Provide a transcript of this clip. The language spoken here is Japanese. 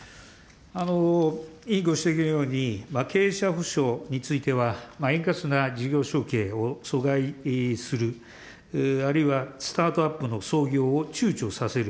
委員ご指摘のように、経営者保証については、円滑な事業承継を阻害する、あるいはスタートアップの創業をちゅうちょさせる。